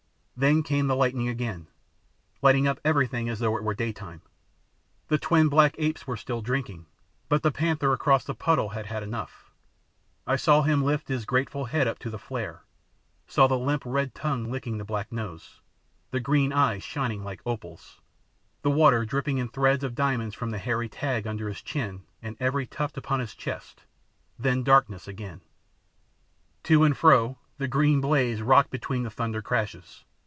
Then came the lightning again, lighting up everything as though it were daytime. The twin black apes were still drinking, but the panther across the puddle had had enough; I saw him lift his grateful head up to the flare; saw the limp red tongue licking the black nose, the green eyes shining like opals, the water dripping in threads of diamonds from the hairy tag under his chin and every tuft upon his chest then darkness again. To and fro the green blaze rocked between the thunder crashes.